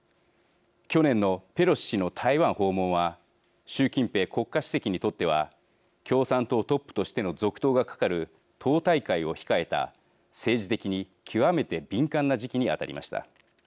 去年のペロシ氏の台湾訪問は習近平国家主席にとっては共産党トップとしての続投がかかる党大会を控えた政治的に極めて敏感な時期にあたりました。